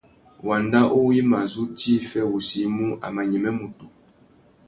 Wanda uwú i mà zu djï fê wussi i mú, a mà nyême mutu.